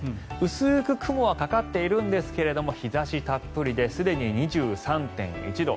薄く雲はかかっているんですが日差したっぷりですでに２３．１度。